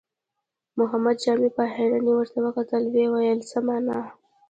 محمد جامي په حيرانۍ ورته وکتل، ويې ويل: څه مانا؟